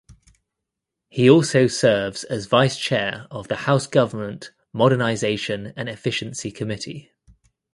He also serves as vice chair of the House Government Modernization and Efficiency Committee.